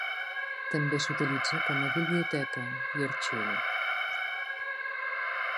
També s'utilitza com a biblioteca i arxiu.